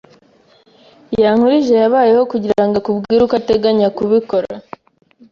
Yankurije yabayeho kugirango akubwire uko ateganya kubikora?